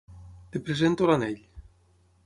Et presento l'anell.